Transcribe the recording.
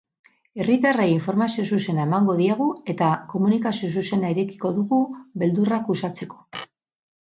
Herritarrei informazio zuzena emango diegu eta komunikazio zuzena irekiko dugu, beldurrak uxatzeko.